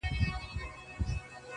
زه یې د قبر سر ته ناست یمه پیالې لټوم.